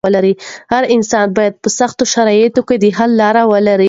هر انسان بايد په سختو شرايطو کې د حل لاره ولري.